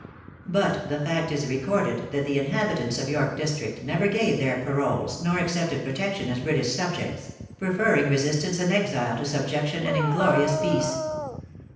But the fact is recorded that the inhabitants of York District never gave their paroles, nor accepted protection as British subjects; preferring resistance and exile to subjection and inglorious peace.